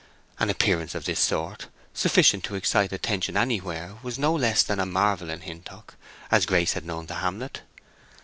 An appearance of this sort, sufficient to excite attention anywhere, was no less than a marvel in Hintock, as Grace had known the hamlet.